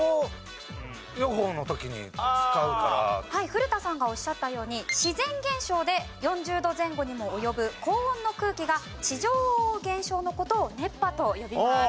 古田さんがおっしゃったように自然現象で４０度前後にも及ぶ高温の空気が地上を覆う現象の事を熱波と呼びます。